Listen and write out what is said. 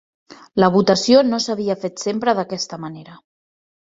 La votació no s'havia fet sempre d'aquesta manera.